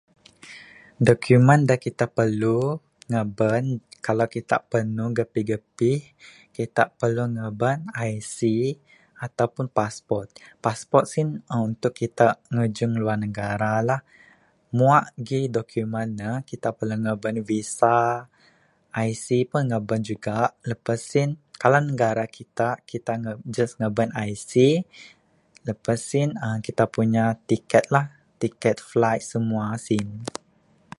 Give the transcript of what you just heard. Document da kita perlu ngaban kalau kita panu gapih gapih kita perlu ngaban IC ato pun passport. Passport sien untuk kita ngajung luar negara lah mua gih document ne kita perlu ngaban VISA, IC pun taban juga lepas en. Kalau negara kita, Kita ngaban just ngaban IC lepas en kita punya ticket lah, ticket flight semua sin